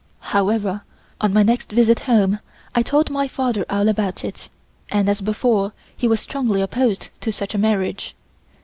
However, on my next visit home, I told my father all about it, and as before he was strongly opposed to such a marriage.